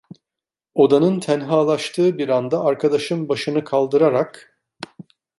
Odanın tenhalaştığı bir anda arkadaşım başını kaldırarak.